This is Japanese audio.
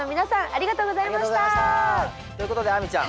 ありがとうございました！ということで亜美ちゃん。